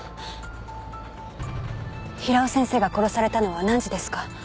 平尾先生が殺されたのは何時ですか？